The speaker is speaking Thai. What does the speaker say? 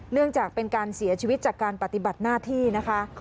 เนื่องจากเป็นการเสียชีวิตจากการปฏิบัติหน้าที่นะคะ